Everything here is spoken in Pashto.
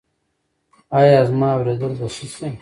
ایا زما اوریدل به ښه شي؟